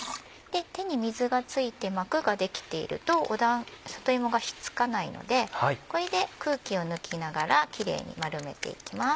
手に水が付いて膜ができていると里芋が引っ付かないのでこれで空気を抜きながらキレイに丸めていきます。